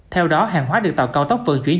theo đó hàng hóa được tàu cao tốc vận chuyển